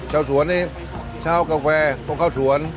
เจ้าสวนนี่เช่ากาแฟต้องเข้าสวน